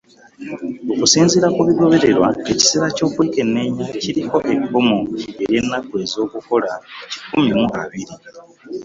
Okusinziira kubigobererwa, ekiseera ky’okwekenneenya kiriko ekkomo ely’ennaku ez’okukola kikumi mu abiri.